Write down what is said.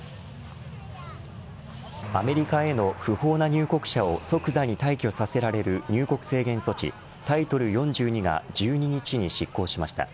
アメリカへの不法な入国者を即座に退去させられる入国制限措置、タイトル４２が１２日に執行しました。